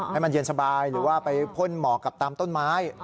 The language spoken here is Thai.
ให้มันเย็นสบายหรือว่าไปพ่นหมอกกับตามต้นไม้